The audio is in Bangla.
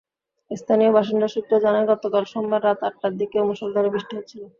স্থানীয় বাসিন্দা সূত্র জানায়, গতকাল সোমবার রাত আটটার দিকেও মুষলধারায় বৃষ্টি হচ্ছিল।